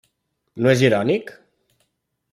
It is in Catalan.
No és irònic?